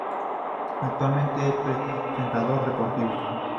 Actualmente es un presentador deportivo.